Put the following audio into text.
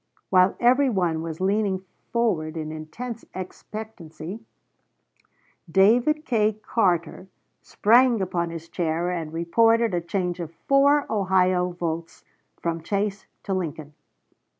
While every one was leaning forward in intense expectancy, David K. Cartter sprang upon his chair and reported a change of four Ohio votes from Chase to Lincoln.